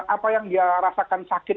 apa yang dia rasakan sakit